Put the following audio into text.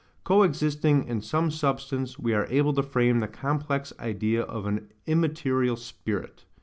co existing in some substance, we are able to frame the COMPLEX IDEA OF AN IMMATERIAL SPIRIT.